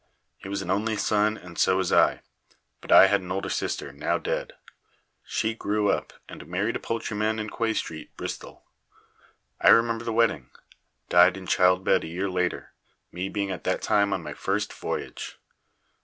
He was an only son, and so was I, but I had an older sister, now dead. She grew up and married a poultryman in Quay Street, Bristol. I remember the wedding. Died in childbed a year later, me being at that time on my first voyage.